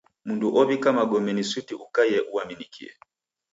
Mndu ow'ika magome ni suti ukaie uaminikie.